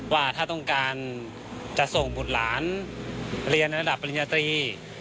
ว่าถ้าต้องการจะส่งบุตรหลานเรียนระดับปริญญาตรี